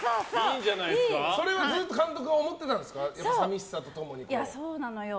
それはずっと監督は思ってたんですかそうなのよ。